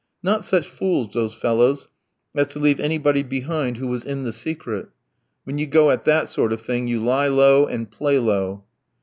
"Not such fools, those fellows, as to leave anybody behind who was in the secret!" "When you go at that sort of thing you lie low and play low!"